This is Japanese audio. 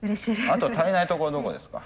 あと足りないところどこですか？